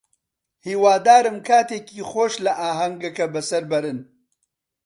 هیوادارم کاتێکی خۆش لە ئاهەنگەکە بەسەر بەرن.